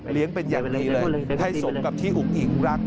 เป็นอย่างดีเลยให้สมกับที่อุ๋งอิ๋งรัก